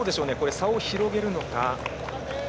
差を広げるのか。